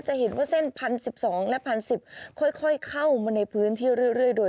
จะเห็นว่าเส้น๑๐๑๒และ๑๐๑๐ค่อยเข้ามาในพื้นที่เรื่อยโดย